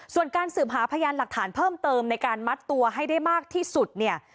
ส่วนการสืบหาพยานหลักฐานเพิ่มเติมในการมัดตัวให้ได้มากที่สุดเนี่ย